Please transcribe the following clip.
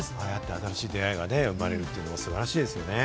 新しい出会いが生まれるのも素晴らしいですね。